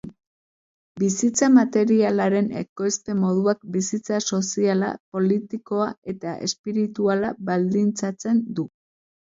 Bizitza materialaren ekoizpen-moduak bizitza soziala, politikoa eta espirituala baldintzatzen du.